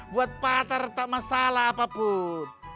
buat pak teretak masalah apapun